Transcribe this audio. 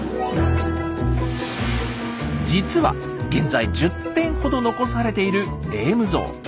実は現在１０点ほど残されている「霊夢像」。